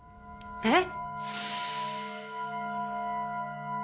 えっ？